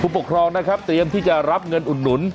ผู้ปกครองเตรียมที่จะรับเงินอุดหนุน